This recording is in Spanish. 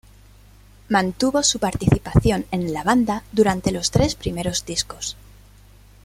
Mantuvo su participación en la banda durante los tres primeros discos.